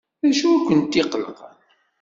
D acu ay kent-iqellqen?